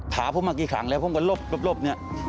ท้าผมมากี่ทีเลยผมก็ลบนี่